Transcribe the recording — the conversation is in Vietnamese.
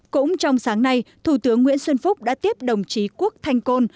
cũng trong sáng nay thủ tướng nguyễn xuân phúc đã tiếp đồng chí quốc thanh côn